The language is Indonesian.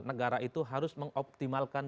negara itu harus mengoptimalkan